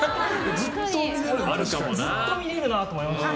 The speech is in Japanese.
ずっと見れるなと思いました。